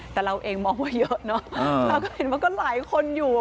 แต่เราเองมองว่าเยอะเนอะเราก็เห็นว่าก็หลายคนอยู่